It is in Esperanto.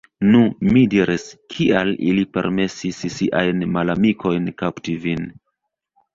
Nu, mi diris, Kial ili permesis siajn malamikojn kapti vin?